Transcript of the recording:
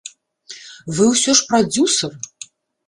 Вы ўсё ж прадзюсар.